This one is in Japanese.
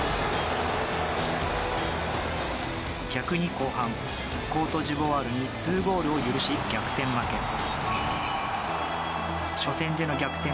逆に後半、コートジボワールに２ゴールを許し逆転